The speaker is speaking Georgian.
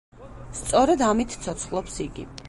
სწორედ ამით ცოცხლობს იგი.